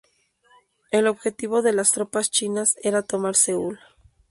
El objetivo de las tropas chinas era tomar Seúl.